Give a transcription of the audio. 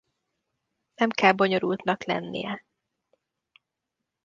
Nem kell bonyolultnak lennie.